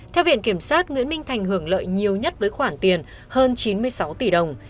theo viện kiểm sát nguyễn minh thành hưởng lợi nhiều nhất với khoản tiền hơn chín mươi sáu tỷ đồng